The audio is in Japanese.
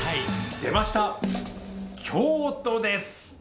出ました、京都です。